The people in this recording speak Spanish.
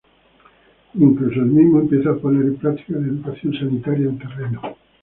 Incluso el mismo empieza a poner en práctica la educación sanitaria en terreno.